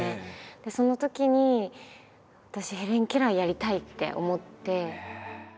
でそのときに私ヘレン・ケラーやりたい！って思って。